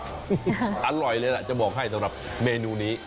อร่อยเลยล่ะจะบอกให้สำหรับเมนูนี้